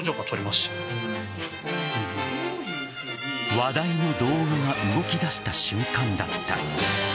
話題の動画が動き出した瞬間だった。